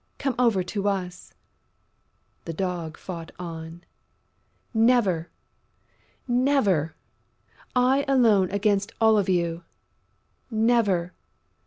Come over to us!..." The Dog fought on: "Never! Never!... I alone against all of you!... Never!